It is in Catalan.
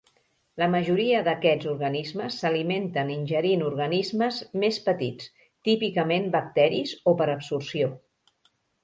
La majoria d'aquests organismes s'alimenten ingerint organismes més petits, típicament bacteris, o per absorció.